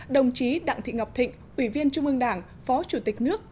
đồng chí đặng thị ngọc thịnh ủy viên trung ương đảng phó chủ tịch nước